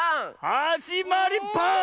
「はじまりバーン」！